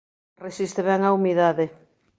Resiste ben a humidade.